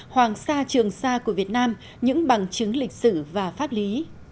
hoàng sa trường sa của việt nam những bằng chứng lịch sử và pháp lý